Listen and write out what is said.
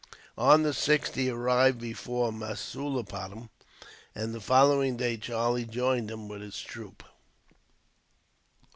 On the 6th he arrived before Masulipatam, and the following day Charlie joined him, with his troop.